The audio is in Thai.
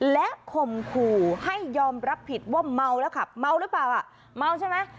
และข่มขู่ให้ยอมรับผิดว่าเมาแล้วขับเมาหรือเปล่าอ่ะเมาใช่ไหม